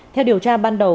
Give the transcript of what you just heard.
theo điều tra ban đầu